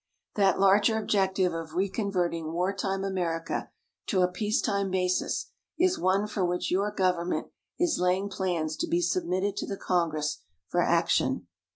That larger objective of reconverting wartime America to a peacetime basis is one for which your government is laying plans to be submitted to the Congress for action.